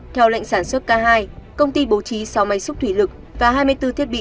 theo lệnh sản xuất k hai công ty bố trí sáu máy xúc thủy lực và hai mươi bốn thiết bị